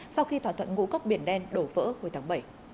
sau khi thỏa thuận ngũ cốc biển đen đổ vỡ hồi tháng bảy